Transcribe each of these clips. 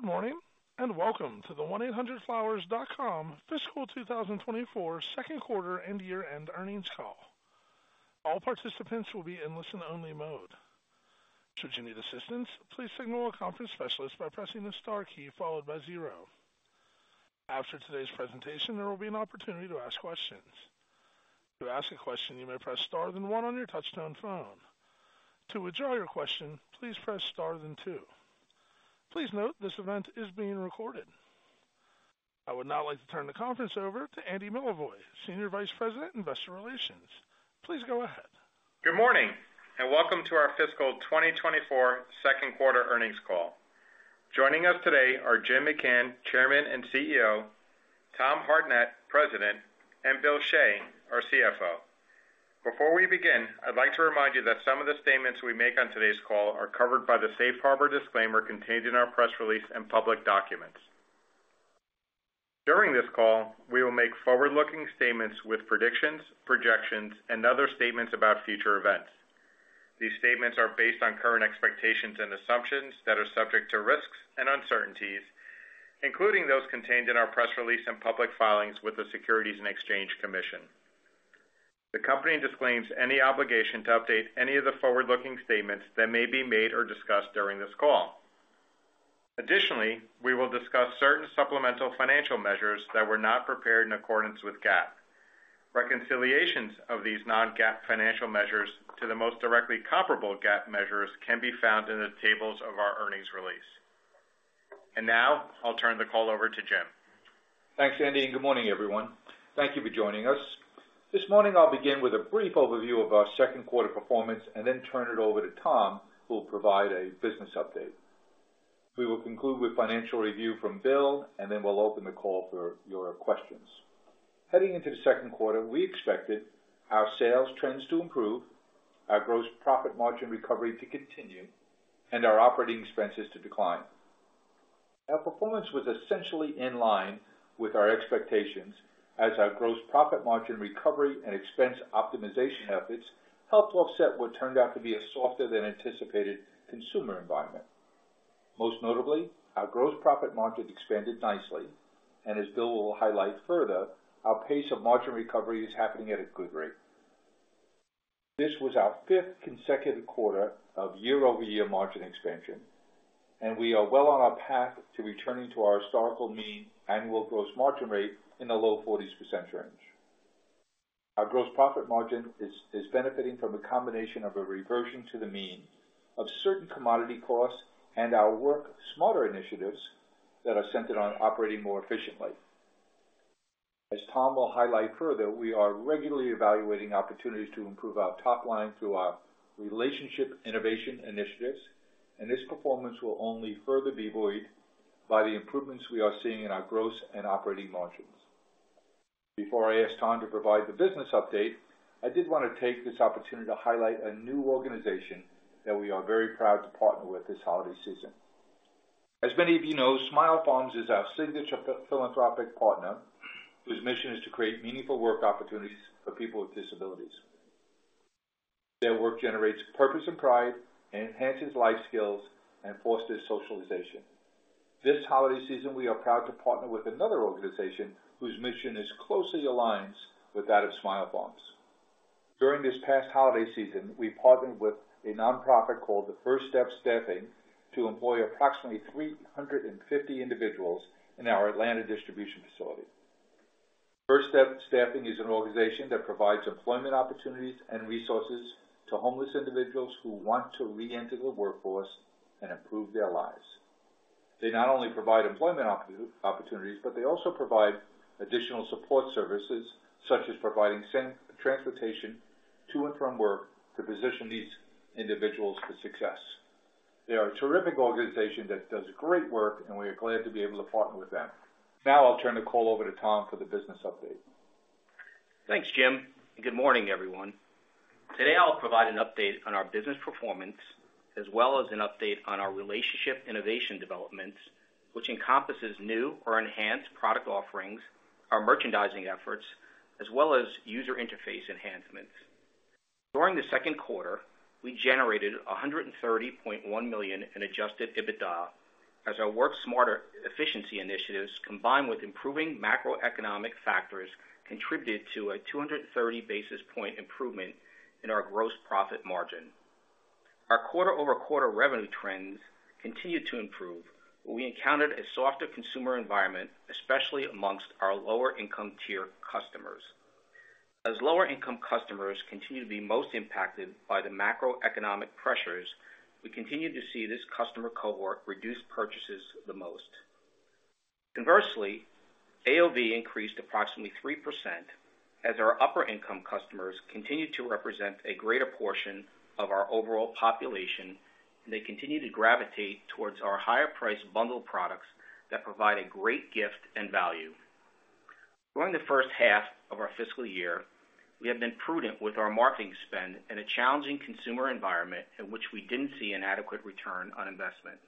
Good morning, and welcome to the 1-800-Flowers.com Fiscal 2024 Second Quarter and Year-End Earnings Call. All participants will be in listen-only mode. Should you need assistance, please signal a conference specialist by pressing the star key followed by zero. After today's presentation, there will be an opportunity to ask questions. To ask a question, you may press star then one on your touchtone phone. To withdraw your question, please press star then two. Please note, this event is being recorded. I would now like to turn the conference over to Andy Milevoj, Senior Vice President, Investor Relations. Please go ahead. Good morning, and welcome to our Fiscal 2024 Second Quarter Earnings Call. Joining us today are Jim McCann, Chairman and CEO, Tom Hartnett, President, and Bill Shea, our CFO. Before we begin, I'd like to remind you that some of the statements we make on today's call are covered by the safe harbor disclaimer contained in our press release and public documents. During this call, we will make forward-looking statements with predictions, projections, and other statements about future events. These statements are based on current expectations and assumptions that are subject to risks and uncertainties, including those contained in our press release and public filings with the Securities and Exchange Commission. The company disclaims any obligation to update any of the forward-looking statements that may be made or discussed during this call. Additionally, we will discuss certain supplemental financial measures that were not prepared in accordance with GAAP. Reconciliations of these non-GAAP financial measures to the most directly comparable GAAP measures can be found in the tables of our earnings release. Now I'll turn the call over to Jim. Thanks, Andy, and good morning, everyone. Thank you for joining us. This morning, I'll begin with a brief overview of our second quarter performance and then turn it over to Tom, who will provide a business update. We will conclude with financial review from Bill, and then we'll open the call for your questions. Heading into the second quarter, we expected our sales trends to improve, our gross profit margin recovery to continue, and our operating expenses to decline. Our performance was essentially in line with our expectations as our gross profit margin recovery and expense optimization efforts helped to offset what turned out to be a softer than anticipated consumer environment. Most notably, our gross profit margin expanded nicely, and as Bill will highlight further, our pace of margin recovery is happening at a good rate. This was our fifth consecutive quarter of year-over-year margin expansion, and we are well on our path to returning to our historical mean annual gross margin rate in the low 40s% range. Our gross profit margin is benefiting from a combination of a reversion to the mean of certain commodity costs and our work smarter initiatives that are centered on operating more efficiently. As Tom will highlight further, we are regularly evaluating opportunities to improve our top line through our relationship innovation initiatives, and this performance will only further be buoyed by the improvements we are seeing in our gross and operating margins. Before I ask Tom to provide the business update, I did want to take this opportunity to highlight a new organization that we are very proud to partner with this holiday season. As many of you know, Smile Farms is our signature philanthropic partner, whose mission is to create meaningful work opportunities for people with disabilities. Their work generates purpose and pride, enhances life skills, and fosters socialization. This holiday season, we are proud to partner with another organization whose mission is closely aligns with that of Smile Farms. During this past holiday season, we partnered with a nonprofit called the First Step Staffing to employ approximately 350 individuals in our Atlanta distribution facility. First Step Staffing is an organization that provides employment opportunities and resources to homeless individuals who want to reenter the workforce and improve their lives. They not only provide employment opportunities, but they also provide additional support services, such as providing transportation to and from work, to position these individuals for success. They are a terrific organization that does great work, and we are glad to be able to partner with them. Now I'll turn the call over to Tom for the business update. Thanks, Jim, and good morning, everyone. Today, I'll provide an update on our business performance, as well as an update on our relationship innovation developments, which encompasses new or enhanced product offerings, our merchandising efforts, as well as user interface enhancements. During the second quarter, we generated $130.1 million in Adjusted EBITDA, as our Work Smarter efficiency initiatives, combined with improving macroeconomic factors, contributed to a 230 basis point improvement in our gross profit margin. Our quarter-over-quarter revenue trends continued to improve, but we encountered a softer consumer environment, especially among our lower-income tier customers. As lower-income customers continue to be most impacted by the macroeconomic pressures, we continue to see this customer cohort reduce purchases the most. Conversely, AOV increased approximately 3% as our upper-income customers continued to represent a greater portion of our overall population, and they continue to gravitate towards our higher-priced bundled products that provide a great gift and value. During the first half of our fiscal year, we have been prudent with our marketing spend in a challenging consumer environment in which we didn't see an adequate return on investment.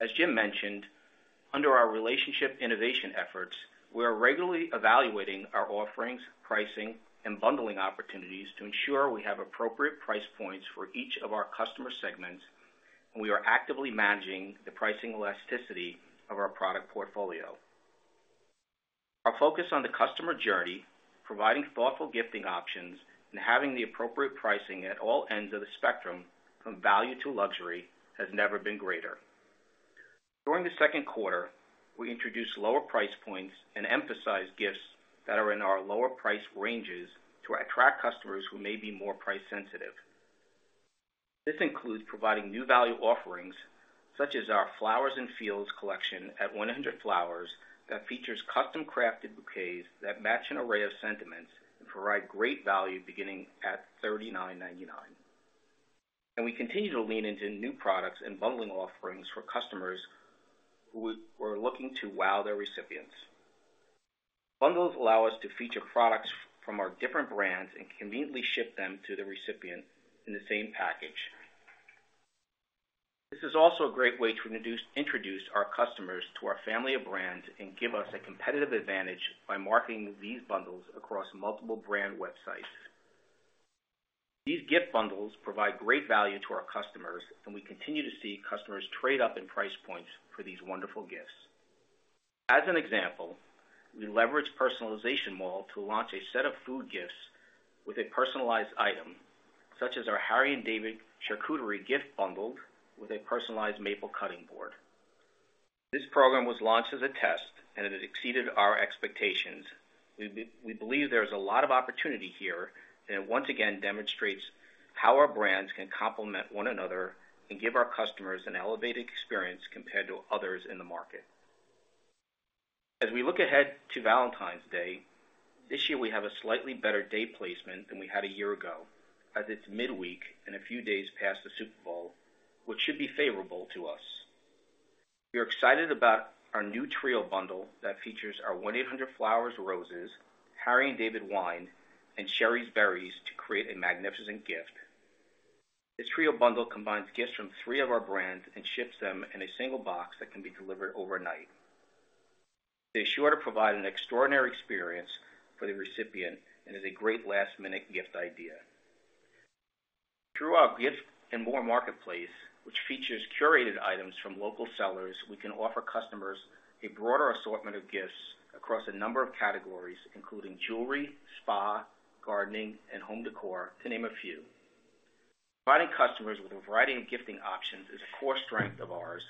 As Jim mentioned, under our relationship innovation efforts, we are regularly evaluating our offerings, pricing, and bundling opportunities to ensure we have appropriate price points for each of our customer segments, and we are actively managing the pricing elasticity of our product portfolio. Our focus on the customer journey, providing thoughtful gifting options, and having the appropriate pricing at all ends of the spectrum, from value to luxury, has never been greater. During the second quarter, we introduced lower price points and emphasized gifts that are in our lower price ranges to attract customers who may be more price sensitive. This includes providing new value offerings, such as our Flowers from the Fields collection at 1-800-Flowers, that features custom-crafted bouquets that match an array of sentiments and provide great value beginning at $39.99. We continue to lean into new products and bundling offerings for customers who are looking to wow their recipients. Bundles allow us to feature products from our different brands and conveniently ship them to the recipient in the same package. This is also a great way to introduce our customers to our family of brands and give us a competitive advantage by marketing these bundles across multiple brand websites. These gift bundles provide great value to our customers, and we continue to see customers trade up in price points for these wonderful gifts. As an example, we leveraged PersonalizationMall to launch a set of food gifts with a personalized item, such as our Harry & David charcuterie gift bundle with a personalized maple cutting board. This program was launched as a test, and it has exceeded our expectations. We believe there is a lot of opportunity here, and it once again demonstrates how our brands can complement one another and give our customers an elevated experience compared to others in the market. As we look ahead to Valentine's Day this year, we have a slightly better day placement than we had a year ago, as it's midweek and a few days past the Super Bowl, which should be favorable to us. We are excited about our new trio bundle that features our 1-800-Flowers roses, Harry & David wine, and Shari's Berries to create a magnificent gift. This trio bundle combines gifts from three of our brands and ships them in a single box that can be delivered overnight. They're sure to provide an extraordinary experience for the recipient and is a great last-minute gift idea. Through our Gifts & More marketplace, which features curated items from local sellers, we can offer customers a broader assortment of gifts across a number of categories, including jewelry, spa, gardening, and home decor, to name a few. Providing customers with a variety of gifting options is a core strength of ours,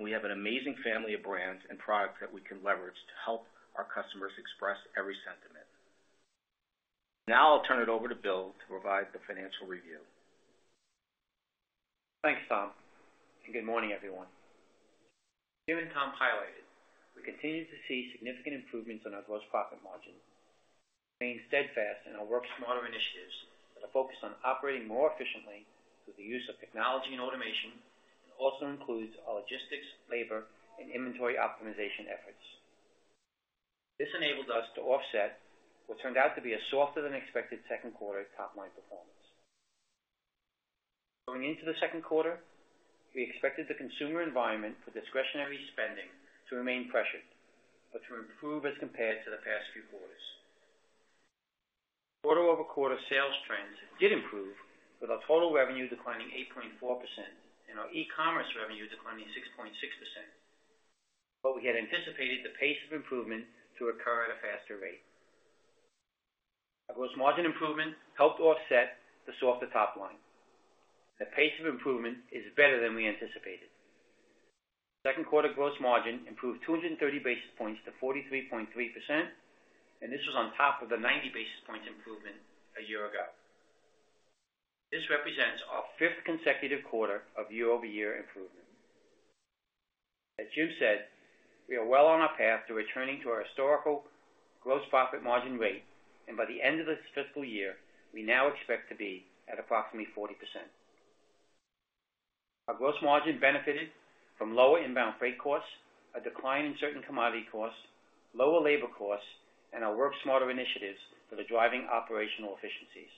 and we have an amazing family of brands and products that we can leverage to help our customers express every sentiment. Now I'll turn it over to Bill to provide the financial review. Thanks, Tom, and good morning, everyone. Jim and Tom highlighted. We continue to see significant improvements in our gross profit margin, staying steadfast in our Work Smarter initiatives that are focused on operating more efficiently through the use of technology and automation, and also includes our logistics, labor, and inventory optimization efforts. This enabled us to offset what turned out to be a softer than expected second quarter top-line performance. Going into the second quarter, we expected the consumer environment for discretionary spending to remain pressured, but to improve as compared to the past few quarters. Quarter-over-quarter sales trends did improve, with our total revenue declining 8.4% and our e-commerce revenue declining 6.6%, but we had anticipated the pace of improvement to occur at a faster rate. Our gross margin improvement helped offset the softer top line. The pace of improvement is better than we anticipated. Second quarter gross margin improved 230 basis points to 43.3%, and this was on top of the 90 basis points improvement a year ago. This represents our 5th consecutive quarter of year-over-year improvement. As Jim said, we are well on our path to returning to our historical gross profit margin rate, and by the end of this fiscal year, we now expect to be at approximately 40%. Our gross margin benefited from lower inbound freight costs, a decline in certain commodity costs, lower labor costs, and our Work Smarter initiatives that are driving operational efficiencies.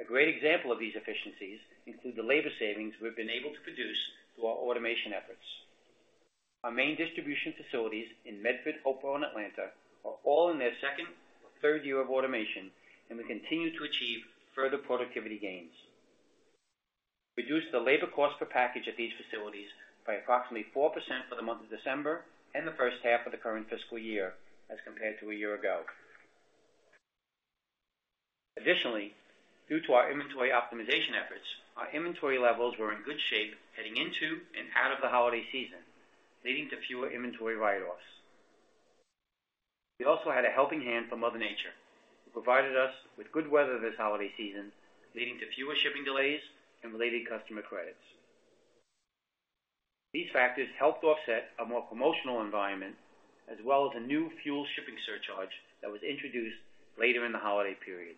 A great example of these efficiencies include the labor savings we've been able to produce through our automation efforts. Our main distribution facilities in Medford, Oregon, and Atlanta are all in their second or third year of automation, and we continue to achieve further productivity gains. Reduce the labor cost per package at these facilities by approximately 4% for the month of December and the first half of the current fiscal year as compared to a year ago. Additionally, due to our inventory optimization efforts, our inventory levels were in good shape heading into and out of the holiday season, leading to fewer inventory write-offs. We also had a helping hand from Mother Nature, who provided us with good weather this holiday season, leading to fewer shipping delays and related customer credits. These factors helped offset a more promotional environment, as well as a new fuel shipping surcharge that was introduced later in the holiday period.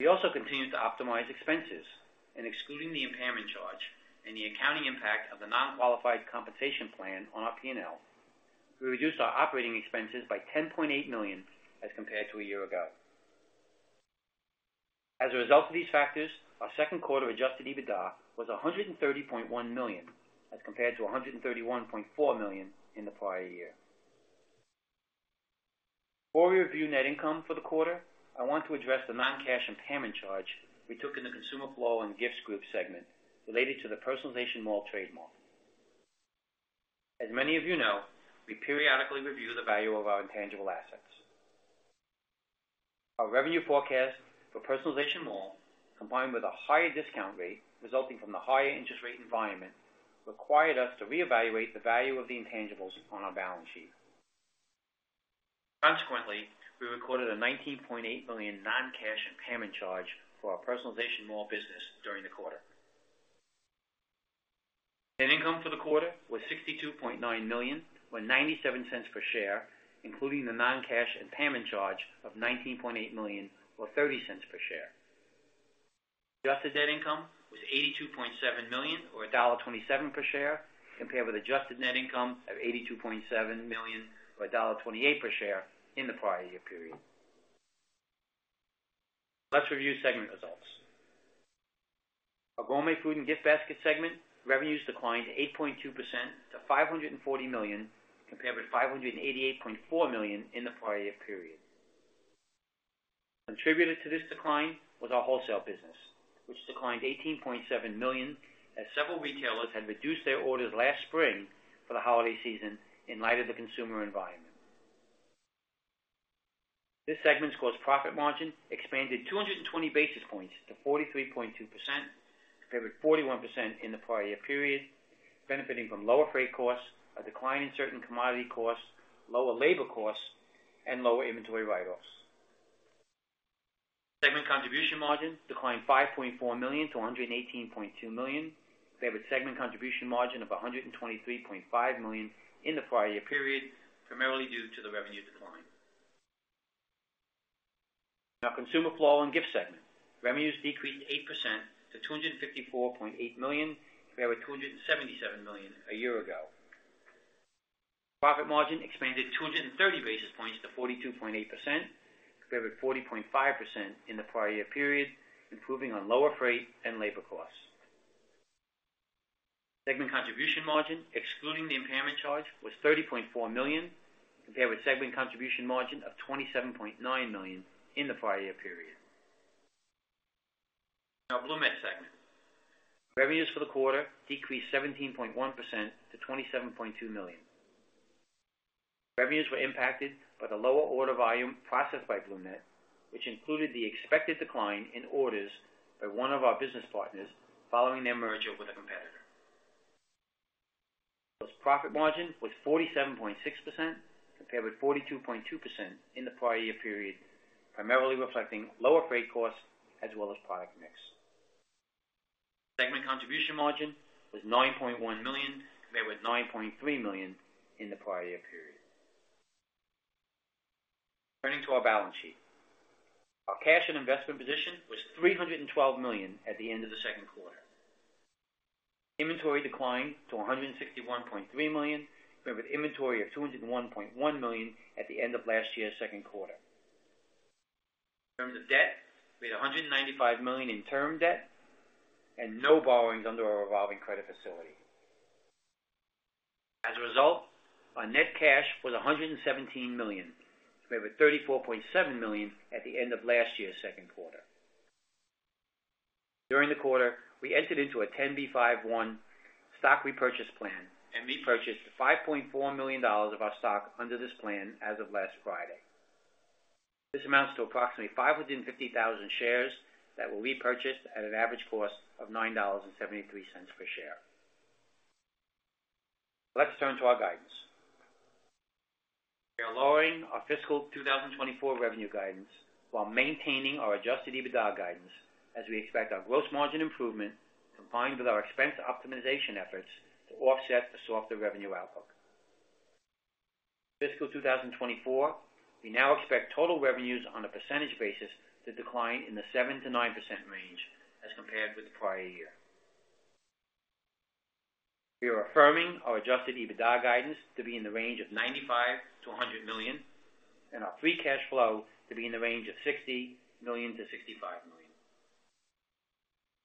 We also continued to optimize expenses and, excluding the impairment charge and the accounting impact of the non-qualified compensation plan on our P&L, we reduced our operating expenses by $10.8 million as compared to a year ago. As a result of these factors, our second quarter Adjusted EBITDA was $130.1 million, as compared to $131.4 million in the prior year. Before we review net income for the quarter, I want to address the non-cash impairment charge we took in the Consumer Floral and Gifts Group segment related to the PersonalizationMall trademark. As many of you know, we periodically review the value of our intangible assets. Our revenue forecast for PersonalizationMall, combined with a higher discount rate resulting from the higher interest rate environment, required us to reevaluate the value of the intangibles on our balance sheet. Consequently, we recorded a $19.8 million non-cash impairment charge for our PersonalizationMall.com business during the quarter. Net income for the quarter was $62.9 million, or $0.97 per share, including the non-cash impairment charge of $19.8 million or $0.30 per share. Adjusted net income was $82.7 million or $1.27 per share, compared with adjusted net income of $82.7 million or $1.28 per share in the prior year period. Let's review segment results. Our Gourmet Food and Gift Basket segment revenues declined 8.2% to $540 million, compared with $588.4 million in the prior year period. Contributed to this decline was our wholesale business, which declined $18.7 million, as several retailers had reduced their orders last spring for the holiday season in light of the consumer environment. This segment's gross profit margin expanded 220 basis points to 43.2%, compared with 41% in the prior year period, benefiting from lower freight costs, a decline in certain commodity costs, lower labor costs, and lower inventory write-offs. Segment contribution margin declined $5.4 million to $118.2 million. We have a segment contribution margin of $123.5 million in the prior year period, primarily due to the revenue decline. Now, Consumer Flow and Gift segment, revenues decreased 8% to $254.8 million, compared with $277 million a year ago. Profit margin expanded 230 basis points to 42.8%, compared with 40.5% in the prior year period, improving on lower freight and labor costs. Segment contribution margin, excluding the impairment charge, was $30.4 million, compared with segment contribution margin of $27.9 million in the prior year period. Now, BloomNet segment. Revenues for the quarter decreased 17.1% to $27.2 million. Revenues were impacted by the lower order volume processed by BloomNet, which included the expected decline in orders by one of our business partners following their merger with a competitor. Plus, profit margin was 47.6%, compared with 42.2% in the prior year period, primarily reflecting lower freight costs as well as product mix. Segment Contribution Margin was $9.1 million, compared with $9.3 million in the prior year period. Turning to our balance sheet. Our cash and investment position was $312 million at the end of the second quarter. Inventory declined to $161.3 million, compared with inventory of $201.1 million at the end of last year's second quarter. In terms of debt, we had $195 million in term debt and no borrowings under our revolving credit facility. As a result, our net cash was $117 million, compared with $34.7 million at the end of last year's second quarter. During the quarter, we entered into a 10b5-1 stock repurchase plan and repurchased $5.4 million of our stock under this plan as of last Friday. This amounts to approximately 550,000 shares that were repurchased at an average cost of $9.73 per share. Let's turn to our guidance. We are lowering our fiscal 2024 revenue guidance while maintaining our Adjusted EBITDA guidance, as we expect our gross margin improvement, combined with our expense optimization efforts, to offset the softer revenue outlook. Fiscal 2024, we now expect total revenues on a percentage basis to decline in the 7%-9% range as compared with the prior year. We are affirming our Adjusted EBITDA guidance to be in the range of $95 million-$100 million, and our free cash flow to be in the range of $60 million-$65 million.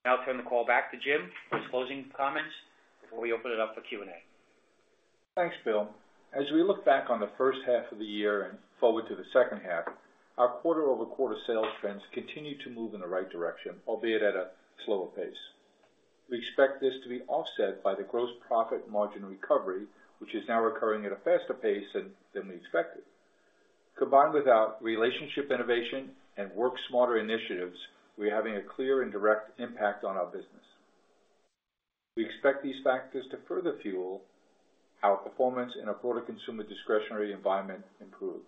Now I'll turn the call back to Jim for his closing comments before we open it up for Q&A. Thanks, Bill. As we look back on the first half of the year and forward to the second half, our quarter-over-quarter sales trends continue to move in the right direction, albeit at a slower pace. We expect this to be offset by the gross profit margin recovery, which is now occurring at a faster pace than we expected. Combined with our relationship, innovation, and work smarter initiatives, we are having a clear and direct impact on our business. We expect these factors to further fuel our performance in a broader consumer discretionary environment improves.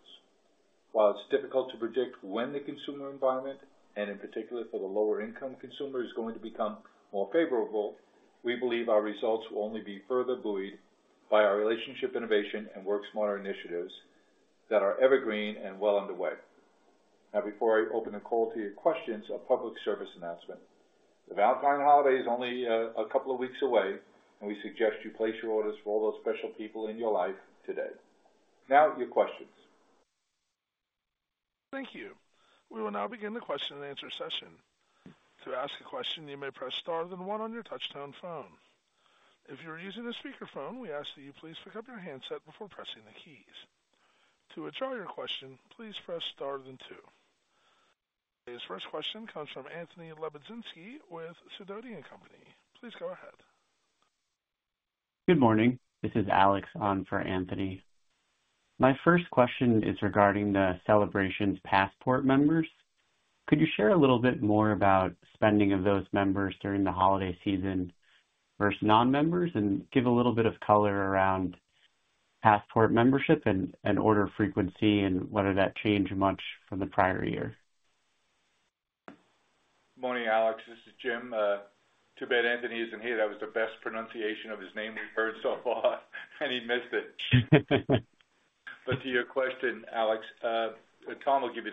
While it's difficult to predict when the consumer environment, and in particular for the lower-income consumer, is going to become more favorable, we believe our results will only be further buoyed by our relationship, innovation, and work smarter initiatives that are evergreen and well underway. Now, before I open the call to your questions, a public service announcement: The Valentine holiday is only a couple of weeks away, and we suggest you place your orders for all those special people in your life today. Now your questions. Thank you. We will now begin the question-and-answer session. To ask a question, you may press star then one on your touchtone phone. If you are using a speakerphone, we ask that you please pick up your handset before pressing the keys. To withdraw your question, please press star then two. This first question comes from Anthony Lebiedzinski with Sidoti & Company. Please go ahead. Good morning. This is Alex on for Anthony. My first question is regarding the Celebrations Passport members. Could you share a little bit more about spending of those members during the holiday season versus non-members, and give a little bit of color around Passport membership and order frequency, and whether that changed much from the prior year? Morning, Alex, this is Jim. Too bad Anthony isn't here. That was the best pronunciation of his name we've heard so far, and he missed it. But to your question, Alex, Tom will give you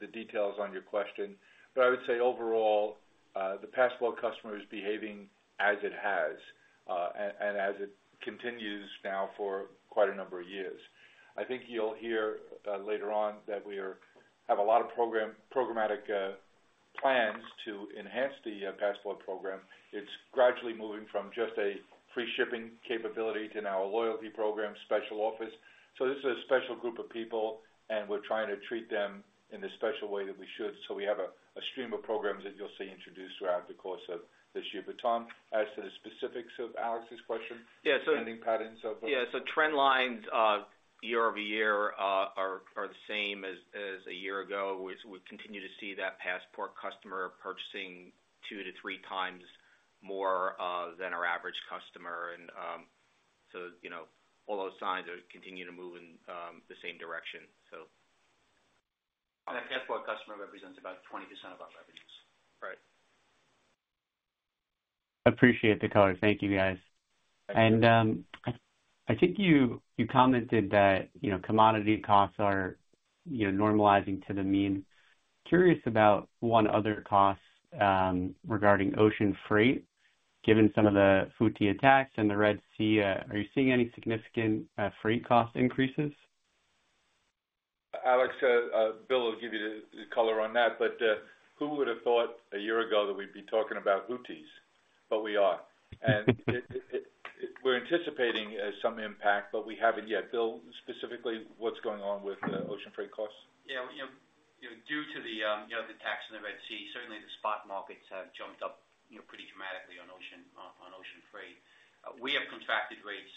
the details on your question, but I would say overall, the Passport customer is behaving as it has, and as it continues now for quite a number of years. I think you'll hear later on that we have a lot of program, programmatic plans to enhance the Passport program. It's gradually moving from just a free shipping capability to now a loyalty program, special offers. So this is a special group of people, and we're trying to treat them in a special way that we should. So we have a stream of programs that you'll see introduced throughout the course of this year. But Tom, as to the specifics of Alex's question- Yeah, so- Spending patterns of. Yeah, so trend lines, year-over-year, are the same as a year ago, which we continue to see that Passport customer purchasing 2x-3x more than our average customer and so you know all those signs are continuing to move in the same direction, so... And that Passport customer represents about 20% of our revenues. Right. Appreciate the color. Thank you, guys. I think you, you commented that, you know, commodity costs are, you know, normalizing to the mean. Curious about one other cost, regarding ocean freight. Given some of the Houthi attacks in the Red Sea, are you seeing any significant freight cost increases? Alex, Bill will give you the color on that, but who would have thought a year ago that we'd be talking about Houthis? But we are. And it - we're anticipating some impact, but we haven't yet. Bill, specifically, what's going on with the ocean freight costs? Yeah, you know, due to the, you know, the attacks in the Red Sea, certainly the spot markets have jumped up, you know, pretty dramatically on ocean, on ocean freight. We have contracted rates,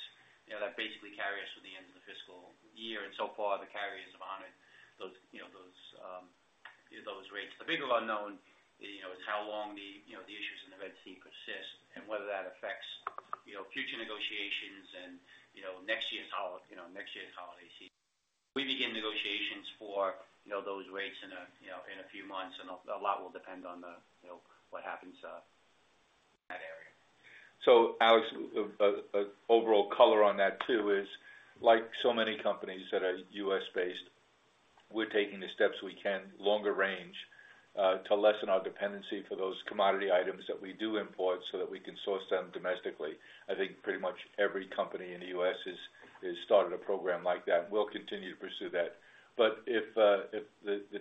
that basically carry us through the end of the fiscal year, and so far, the carriers have honored those, you know, those rates. The big unknown, you know, is how long the, you know, the issues in the Red Sea persist and whether that affects, you know, future negotiations and, you know, next year's holiday season. We begin negotiations for, you know, those rates in a few months, and a lot will depend on the, you know, what happens in that area. So, Alex, overall color on that, too, is like so many companies that are U.S.-based, we're taking the steps we can, longer range, to lessen our dependency for those commodity items that we do import so that we can source them domestically. I think pretty much every company in the U.S. has started a program like that. We'll continue to pursue that. But if the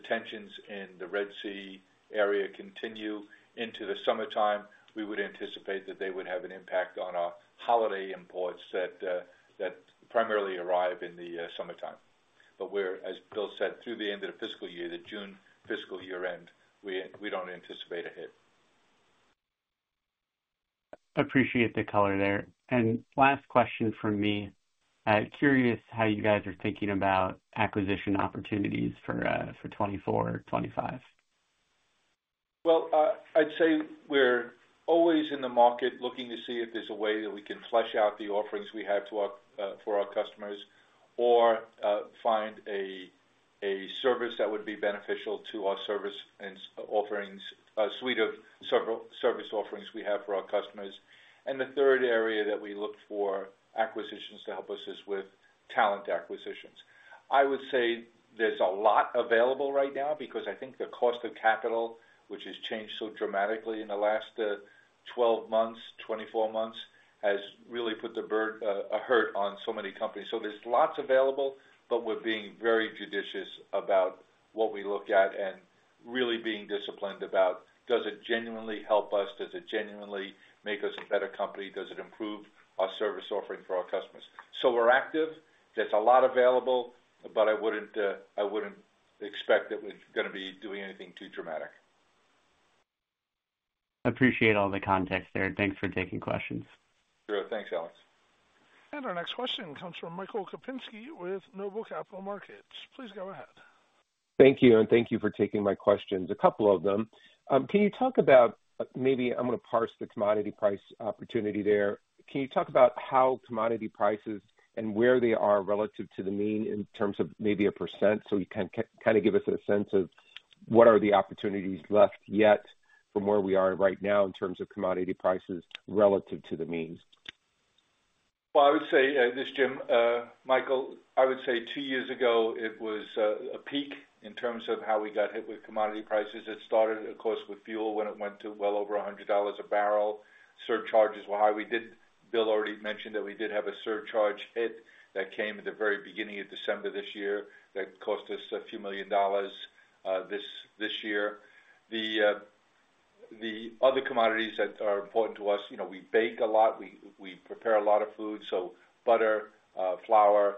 tensions in the Red Sea area continue into the summertime, we would anticipate that they would have an impact on our holiday imports that primarily arrive in the summertime. But we're, as Bill said, through the end of the fiscal year, the June fiscal year-end, we don't anticipate a hit. Appreciate the color there. And last question from me: curious how you guys are thinking about acquisition opportunities for 2024 or 2025? Well, I'd say we're always in the market looking to see if there's a way that we can flesh out the offerings we have to our, for our customers or, find a service that would be beneficial to our service and offerings, a suite of several service offerings we have for our customers. And the third area that we look for acquisitions to help us is with talent acquisitions. I would say there's a lot available right now because I think the cost of capital, which has changed so dramatically in the last 12 months, 24 months, has really put a hurt on so many companies. So there's lots available, but we're being very judicious about what we look at and really being disciplined about, does it genuinely help us? Does it genuinely make us a better company? Does it improve our service offering for our customers? So we're active. There's a lot available, but I wouldn't, I wouldn't expect that we're gonna be doing anything too dramatic. Appreciate all the context there. Thanks for taking questions. Sure. Thanks, Alex. Our next question comes from Michael Kupinski with Noble Capital Markets. Please go ahead. Thank you, and thank you for taking my questions, a couple of them. Can you talk about, maybe I'm going to parse the commodity price opportunity there. Can you talk about how commodity prices and where they are relative to the mean in terms of maybe a percent, so you can kind of give us a sense of what are the opportunities left yet from where we are right now in terms of commodity prices relative to the means? Well, I would say, this is Jim, Michael, I would say two years ago it was a peak in terms of how we got hit with commodity prices. It started, of course, with fuel, when it went to well over $100 a barrel. Surcharges were high. We did, Bill already mentioned that we did have a surcharge hit that came at the very beginning of December this year, that cost us $a few million, this year. The other commodities that are important to us, you know, we bake a lot, we prepare a lot of food, so butter, flour,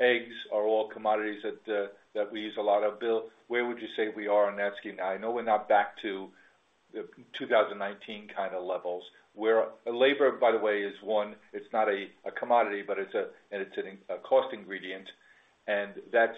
eggs are all commodities that we use a lot of. Bill, where would you say we are on that scheme now? I know we're not back to the 2019 kind of levels, where labor, by the way, is one, it's not a commodity, but it's a cost ingredient, and that's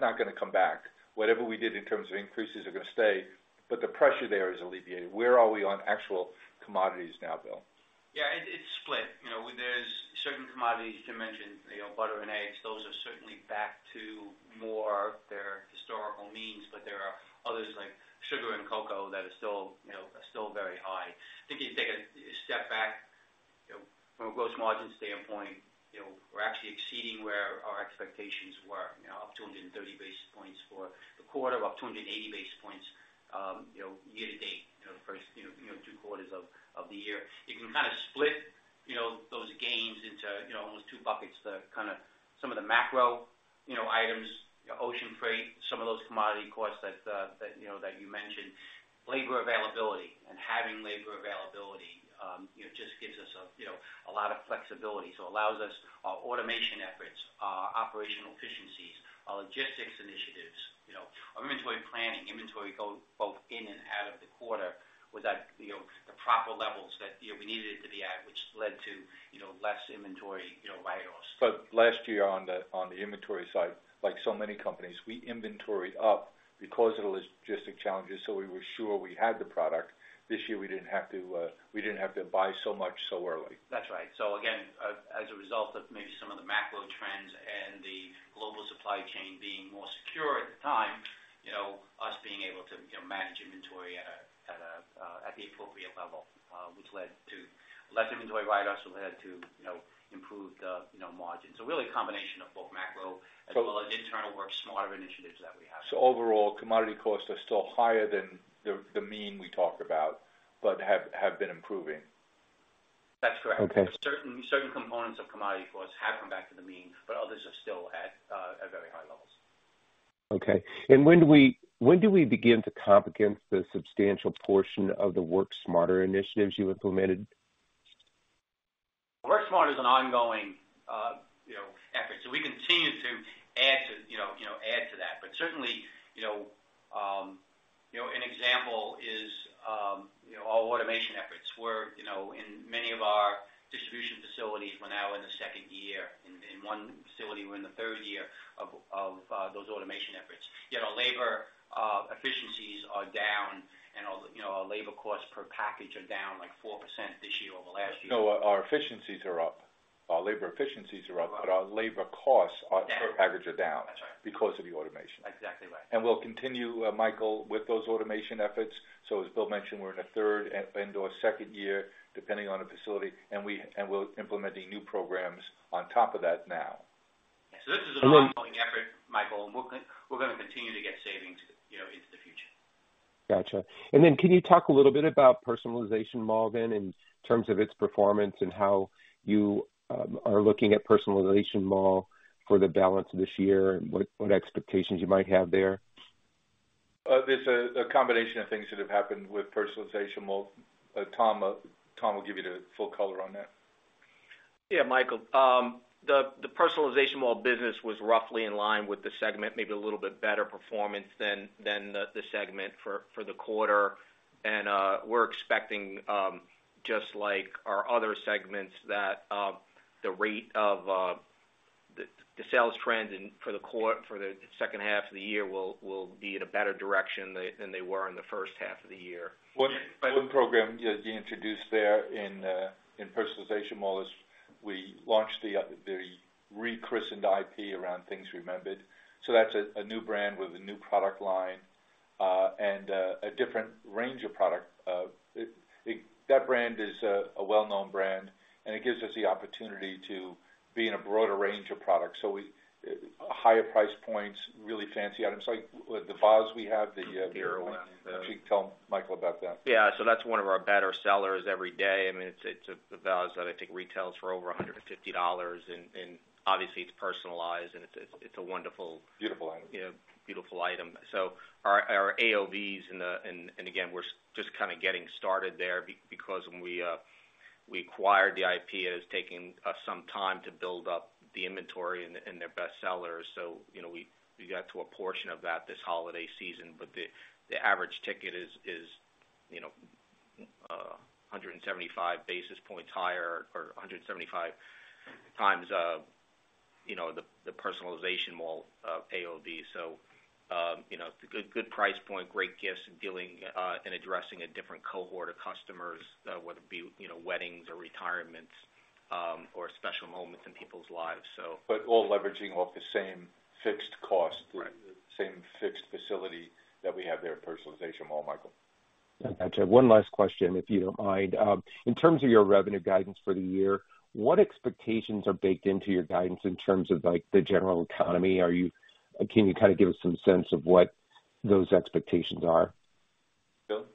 not gonna come back. Whatever we did in terms of increases are gonna stay, but the pressure there is alleviated. Where are we on actual commodities now, Bill? Yeah, it's split. You know, there's certain commodities you can mention, you know, butter and eggs, those are certainly back to more their historical means, but there are others, like sugar and cocoa, that are still, you know, are still very high. I think if you take a step back, you know, from a gross margin standpoint, you know, we're actually exceeding where our expectations were, you know, up 230 basis points for the quarter, up 280 basis points, you know, year-to-date, you know, the first, you know, two quarters of the year. You can kind of split, you know, those gains into, you know, almost two buckets. The kind of some of the macro, you know, items, ocean freight, some of those commodity costs that, that you know, that you mentioned. Labor availability and having labor availability, you know, just gives us a, you know, a lot of flexibility. So allows us our automation efforts, our operational efficiencies, our logistics initiatives, you know, our inventory planning, inventory go both in and out of the quarter without, you know, the proper levels that, you know, we needed it to be at, which led to, you know, less inventory, you know, write-offs. But last year on the inventory side, like so many companies, we inventoried up because of the logistic challenges, so we were sure we had the product. This year, we didn't have to, we didn't have to buy so much so early. That's right. So again, as a result of maybe some of the macro trends and the global supply chain being more secure at the time, you know, us being able to, you know, manage inventory at the appropriate level, which led to less inventory write-offs, which led to, you know, improved, you know, margins. So really a combination of both macro, as well as internal Work Smarter initiatives that we have. So overall, commodity costs are still higher than the mean we talked about, but have been improving? That's correct. Okay. Certain, certain components of commodity costs have come back to the mean, but others are still at very high levels. Okay. And when do we begin to comp against the substantial portion of the Work Smarter initiatives you implemented? Work Smarter is an ongoing, you know, effort, so we continue to add to, you know, you know, add to that. But certainly, you know, an example is, you know, our automation efforts, where, you know, in many of our distribution facilities, we're now in the second year. In one facility, we're in the third year of those automation efforts. You know, labor efficiencies are down and all, you know, our labor costs per package are down, like, 4% this year over last year. No, our efficiencies are up. Our labor efficiencies are up- Right. but our labor costs per package are down. That's right. - because of the automation. Exactly right. We'll continue, Michael, with those automation efforts. As Bill mentioned, we're in a third and or second year, depending on the facility, and we're implementing new programs on top of that now. This is an ongoing effort, Michael, and we're gonna continue to get savings, you know, into the future. Gotcha. And then can you talk a little bit about Personalization Mall, then, in terms of its performance and how you are looking at Personalization Mall for the balance of this year and what, what expectations you might have there? There's a combination of things that have happened with PersonalizationMall.com. Tom will give you the full color on that. Yeah, Michael, the Personalization Mall business was roughly in line with the segment, maybe a little bit better performance than the segment for the quarter. We're expecting, just like our other segments, that the rate of the sales trend for the second half of the year will be in a better direction than they were in the first half of the year. One program you introduced there in PersonalizationMall is, we launched the rechristened IP around Things Remembered. So that's a new brand with a new product line and a different range of product. That brand is a well-known brand, and it gives us the opportunity to be in a broader range of products. So we... Higher price points, really fancy items, like the vase we have, the- The origami vase. Would you tell Michael about that? Yeah. So that's one of our better sellers every day. I mean, it's a vase that I think retails for over $150, and obviously it's personalized, and it's a wonderful- Beautiful item. Yeah, beautiful item. So our AOVs in the—and again, we're just kind of getting started there because when we acquired the IP, and it's taking us some time to build up the inventory and their best sellers. So, you know, we got to a portion of that this holiday season, but the average ticket is, you know, 175 basis points higher or 1.75x the PersonalizationMall AOV. So, you know, it's a good price point, great gifts, and dealing and addressing a different cohort of customers, whether it be, you know, weddings or retirements, or special moments in people's lives, so. But all leveraging off the same fixed cost- Right. - same fixed facility that we have there at PersonalizationMall.com, Michael. Gotcha. One last question, if you don't mind. In terms of your revenue guidance for the year, what expectations are baked into your guidance in terms of, like, the general economy? Can you kind of give us some sense of what those expectations are? Bill?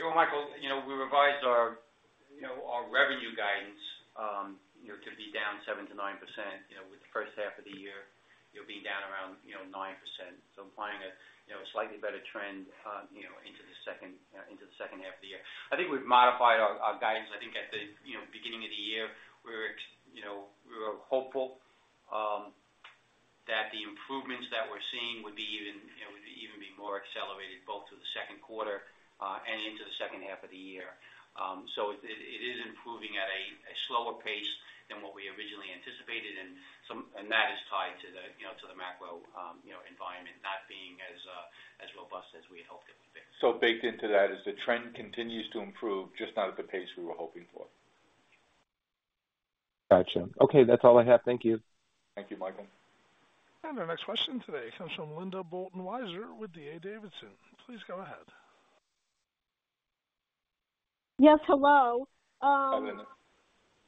Sure, Michael, you know, we revised our, you know, our revenue guidance, you know, to be down 7%-9%, you know, with the first half of the year, you'll be down around, you know, 9%. So implying a, you know, a slightly better trend, you know, into the second half of the year. I think we've modified our guidance. I think at the, you know, beginning of the year, we were you know, we were hopeful, that the improvements that we're seeing would be even, you know, would even be more accelerated, both to the second quarter, and into the second half of the year. So it is improving at a slower pace than what we originally anticipated, and that is tied to the, you know, to the macro, you know, environment, not being as robust as we had hoped it would be. So baked into that is the trend continues to improve, just not at the pace we were hoping for. Gotcha. Okay, that's all I have. Thank you. Thank you, Michael. Our next question today comes from Linda Bolton Weiser with D.A. Davidson. Please go ahead. Yes, hello. Hi, Linda.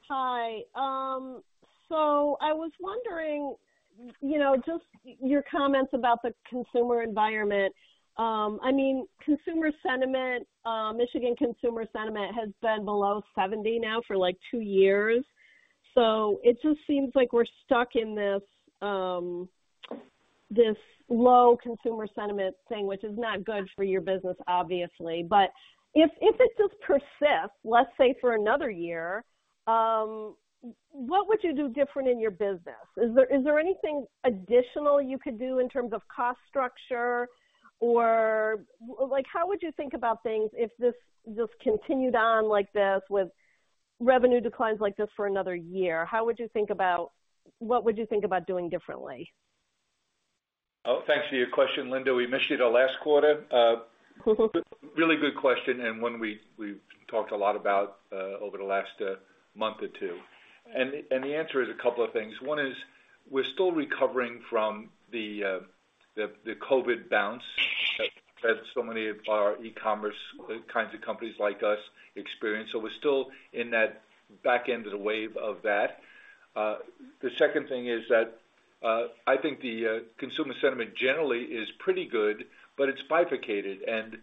Hi. So I was wondering, you know, just your comments about the consumer environment. I mean, consumer sentiment, Michigan Consumer Sentiment has been below 70 now for, like, two years. So it just seems like we're stuck in this low consumer sentiment thing, which is not good for your business, obviously. But if it just persists, let's say, for another year, what would you do different in your business? Is there anything additional you could do in terms of cost structure? Or like, how would you think about things if this just continued on like this, with revenue declines like this for another year? What would you think about doing differently? Oh, thanks for your question, Linda. We missed you the last quarter. Really good question, and one we've talked a lot about, over the last month or two. And the answer is a couple of things. One is, we're still recovering from the COVID bounce that so many of our e-commerce kinds of companies like us experience. So we're still in that back end of the wave of that. The second thing is that, I think the consumer sentiment generally is pretty good, but it's bifurcated, and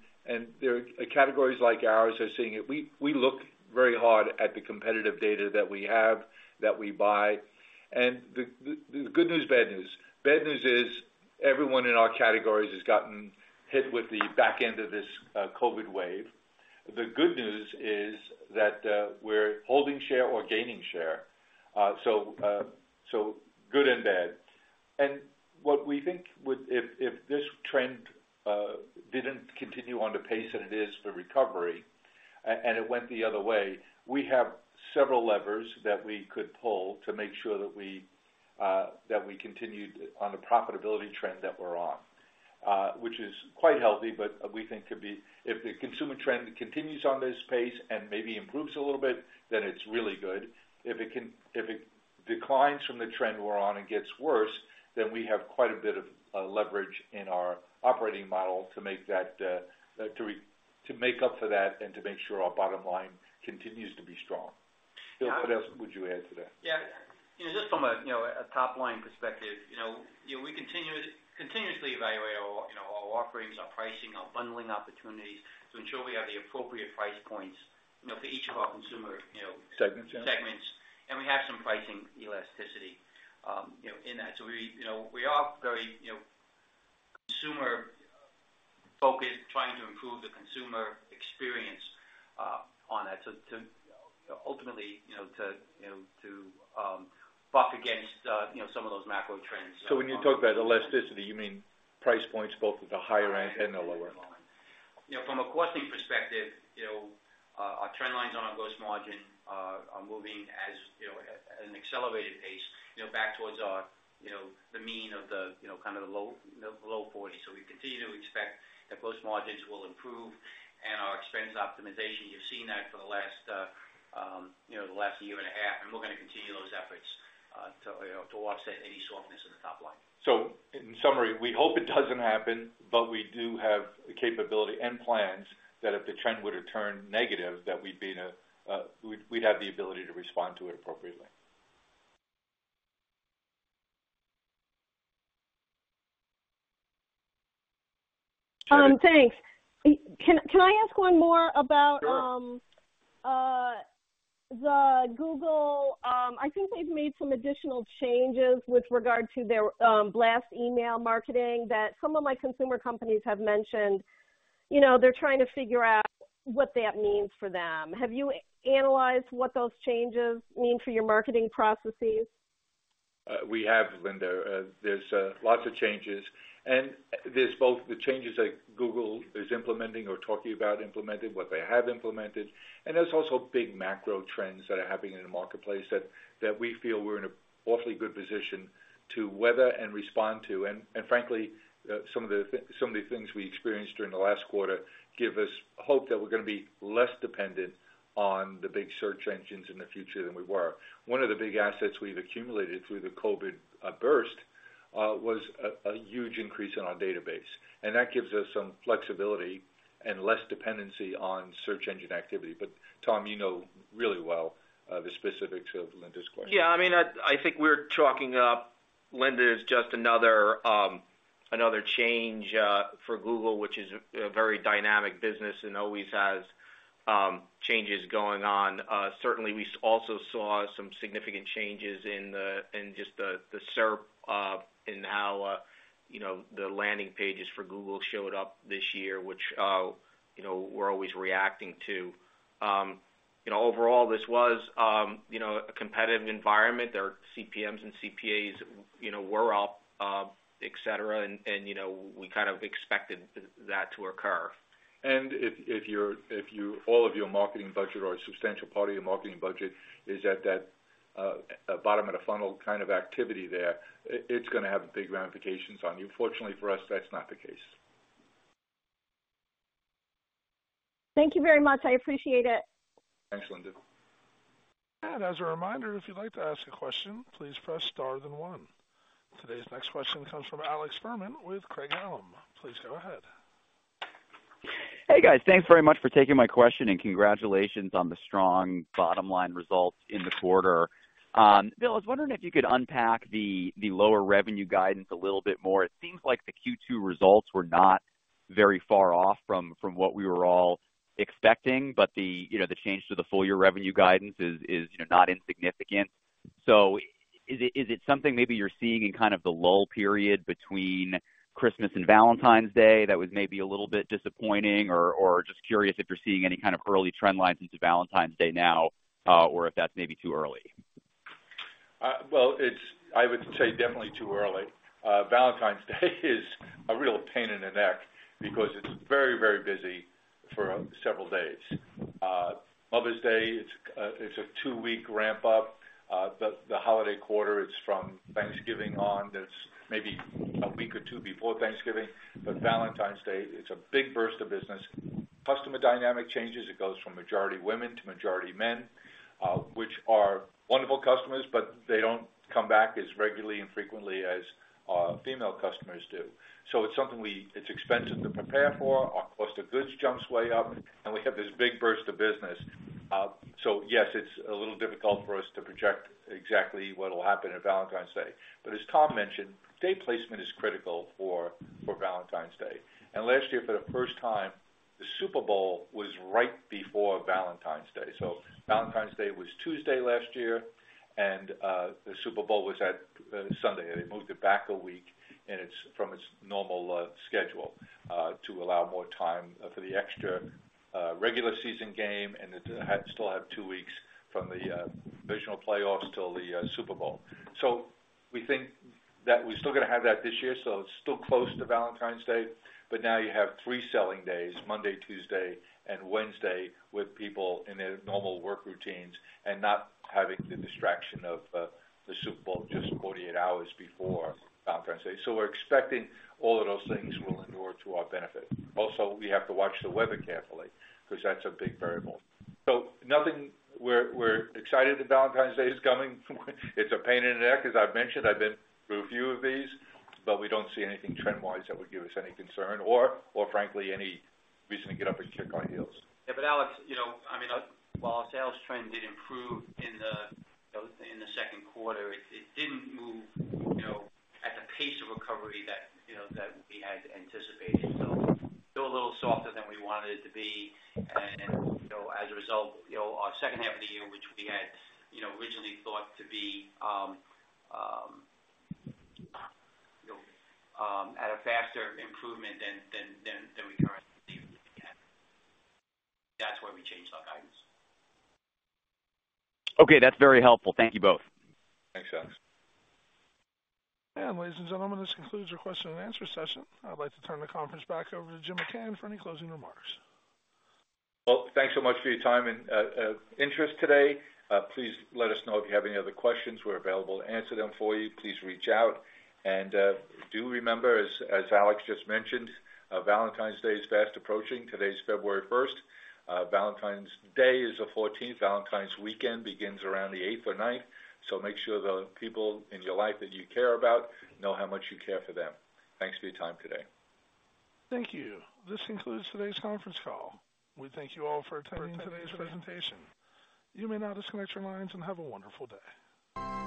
there categories like ours are seeing it. We look very hard at the competitive data that we have, that we buy. And the good news, bad news. Bad news is, everyone in our categories has gotten hit with the back end of this COVID wave. The good news is that we're holding share or gaining share. So good and bad. And what we think would if this trend didn't continue on the pace that it is for recovery, and it went the other way, we have several levers that we could pull to make sure that we continued on the profitability trend that we're on. Which is quite healthy, but we think could be... If the consumer trend continues on this pace and maybe improves a little bit, then it's really good. If it declines from the trend we're on and gets worse, then we have quite a bit of leverage in our operating model to make up for that and to make sure our bottom line continues to be strong. Bill, what else would you add to that? Yeah. You know, just from a top-line perspective, you know, we continuously evaluate our, you know, our offerings, our pricing, our bundling opportunities, to ensure we have the appropriate price points, you know, for each of our consumer, you know- Segments. Yeah... segments, and we have some pricing elasticity, you know, in that. So we, you know, we are very, you know, consumer focused, trying to improve the consumer experience, on it. So to, ultimately, you know, to, you know, to, buck against, you know, some of those macro trends. When you talk about elasticity, you mean price points both at the higher end and the lower end? Yeah, from a costing perspective, you know, our trend lines on our gross margin are moving as, you know, at an accelerated pace, you know, back towards our, you know, the mean of the, you know, kind of the low forties. So we continue to expect that gross margins will improve and our expense optimization, you've seen that for the last, you know, the last year and a half, and we're going to continue those efforts, to, you know, to watch that any softness in the top line. So, in summary, we hope it doesn't happen, but we do have the capability and plans that if the trend were to turn negative, that we'd be in a, we'd have the ability to respond to it appropriately. Thanks. Can I ask one more about, Sure. The Google? I think they've made some additional changes with regard to their, blast email marketing, that some of my consumer companies have mentioned. You know, they're trying to figure out what that means for them. Have you analyzed what those changes mean for your marketing processes? We have, Linda. There's lots of changes, and there's both the changes that Google is implementing or talking about implementing, what they have implemented, and there's also big macro trends that are happening in the marketplace that we feel we're in an awfully good position to weather and respond to. And frankly, some of the things we experienced during the last quarter give us hope that we're going to be less dependent on the big search engines in the future than we were. One of the big assets we've accumulated through the COVID burst was a huge increase in our database, and that gives us some flexibility and less dependency on search engine activity. But Tom, you know really well the specifics of Linda's question. Yeah, I mean, I think we're chalking up Linda as just another,... another change for Google, which is a very dynamic business and always has changes going on. Certainly, we also saw some significant changes in the, in just the SERP, in how you know, the landing pages for Google showed up this year, which you know, we're always reacting to. You know, overall, this was you know, a competitive environment. Their CPMs and CPAs, you know, were up, et cetera, and you know, we kind of expected that to occur. If all of your marketing budget or a substantial part of your marketing budget is at that bottom of the funnel kind of activity there, it's gonna have big ramifications on you. Fortunately, for us, that's not the case. Thank you very much. I appreciate it. Thanks, Linda. As a reminder, if you'd like to ask a question, please press star then one. Today's next question comes from Alex Fuhrman with Craig-Hallum. Please go ahead. Hey, guys. Thanks very much for taking my question, and congratulations on the strong bottom line results in the quarter. Bill, I was wondering if you could unpack the lower revenue guidance a little bit more. It seems like the Q2 results were not very far off from what we were all expecting, but you know, the change to the full year revenue guidance is, you know, not insignificant. So is it something maybe you're seeing in kind of the lull period between Christmas and Valentine's Day that was maybe a little bit disappointing? Or just curious if you're seeing any kind of early trend lines into Valentine's Day now, or if that's maybe too early. Well, it's -- I would say definitely too early. Valentine's Day is a real pain in the neck because it's very, very busy for several days. Mother's Day, it's a two-week ramp up. The holiday quarter is from Thanksgiving on, that's maybe a week or two before Thanksgiving. But Valentine's Day, it's a big burst of business. Customer dynamic changes, it goes from majority women to majority men, which are wonderful customers, but they don't come back as regularly and frequently as female customers do. So it's something we... It's expensive to prepare for. Our cost of goods jumps way up, and we have this big burst of business. So yes, it's a little difficult for us to project exactly what will happen at Valentine's Day. But as Tom mentioned, day placement is critical for Valentine's Day. Last year, for the first time, the Super Bowl was right before Valentine's Day. Valentine's Day was Tuesday last year, and the Super Bowl was at Sunday, and it moved it back a week, and it's from its normal schedule to allow more time for the extra regular season game, and it still had two weeks from the divisional playoffs till the Super Bowl. We think that we're still gonna have that this year, so it's still close to Valentine's Day, but now you have three selling days: Monday, Tuesday, and Wednesday, with people in their normal work routines and not having the distraction of the Super Bowl just 48 hours before Valentine's Day. We're expecting all of those things will endure to our benefit. Also, we have to watch the weather carefully, because that's a big variable. So, nothing. We're excited that Valentine's Day is coming. It's a pain in the neck, as I've mentioned. I've been through a few of these, but we don't see anything trend-wise that would give us any concern or frankly, any reason to get up and kick on heels. Yeah, but Alex, you know, I mean, while our sales trend did improve in the second quarter, it didn't move, you know, at the pace of recovery that, you know, that we had anticipated. So still a little softer than we wanted it to be. And, you know, as a result, you know, our second half of the year, which we had, you know, originally thought to be, you know, at a faster improvement than we currently see. That's why we changed our guidance. Okay, that's very helpful. Thank you both. Thanks, Alex. Ladies and gentlemen, this concludes our question-and-answer session. I'd like to turn the conference back over to Jim McCann for any closing remarks. Well, thanks so much for your time and interest today. Please let us know if you have any other questions. We're available to answer them for you. Please reach out, and do remember, as Alex just mentioned, Valentine's Day is fast approaching. Today is February first. Valentine's Day is the fourteenth. Valentine's weekend begins around the eighth or ninth. So make sure the people in your life that you care about know how much you care for them. Thanks for your time today. Thank you. This concludes today's conference call. We thank you all for attending today's presentation. You may now disconnect your lines, and have a wonderful day.